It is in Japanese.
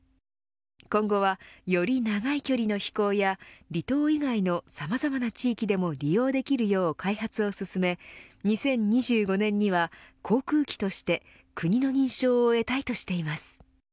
今後は、より長い距離の飛行や離島以外のさまざまな地域でも利用できるよう開発を進め２０２５年には航空機として国の認証を得たいとしています。